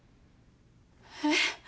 えっ？